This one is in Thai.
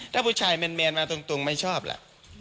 ถ้าผู้ชายแมนมาตรงไม่ชอบแหละ